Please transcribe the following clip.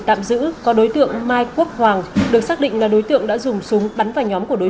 tạm giữ có đối tượng mai quốc hoàng được xác định là đối tượng đã dùng súng bắn vào nhóm của đối